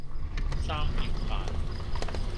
三拼飯